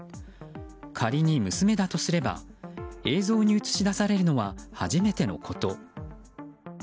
仮に娘だとすれば映像に映し出されるのは初めてのこと。